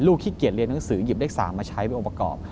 ขี้เกียจเรียนหนังสือหยิบเลข๓มาใช้เป็นองค์ประกอบ